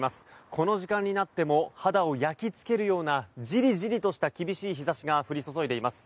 この時間になっても肌を焼きつけるようなじりじりとした厳しい日差しが降り注いでいます。